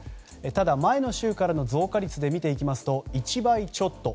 ただ、前の週からの増加率で見ていきますと、１倍ちょっと。